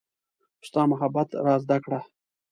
ستا محبت را زده کړه